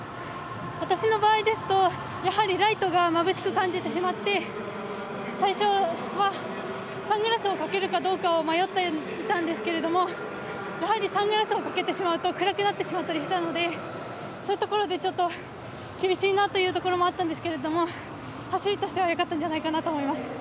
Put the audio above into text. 私の場合ですとやはり、ライトがまぶしく感じてしまって最初は、サングラスをかけるかどうかを迷っていたんですけれどもやはりサングラスをかけてしまうと暗くなってしまったのでそういうところで、厳しいなというところもあったんですが走りとしてはよかったんじゃないかなと思います。